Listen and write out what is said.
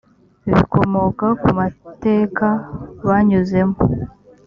bikomoka ku mateka banyuzemo